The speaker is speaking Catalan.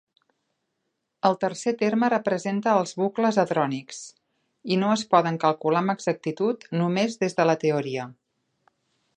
El tercer terme representa els bucles hadrònics, i no es poden calcular amb exactitud només des de la teoria.